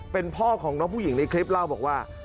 เป็นพ่อของน้องผู้หญิงในคลิปเล่าบอกว่า